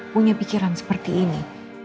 punya pikiran seperti ini